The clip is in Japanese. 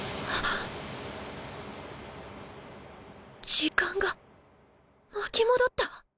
時間が巻き戻った⁉